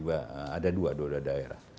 ada dua dua daerah